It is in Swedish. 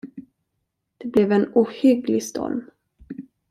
Det blev en ohygglig storm.